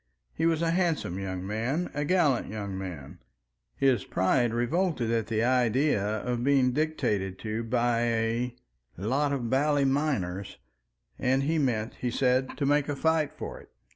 He was a handsome young man, a gallant young man; his pride revolted at the idea of being dictated to by a "lot of bally miners," and he meant, he said, to make a fight for it.